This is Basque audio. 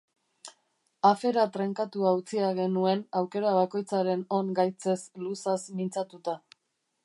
Afera trenkatua utzia genuen aukera bakoitzaren on-gaitzez luzaz mintzatuta.